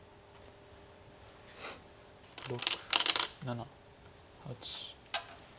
６７８。